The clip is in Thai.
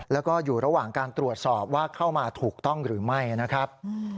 แล้วก็อยู่ระหว่างการตรวจสอบว่าเข้ามาถูกต้องหรือไม่นะครับ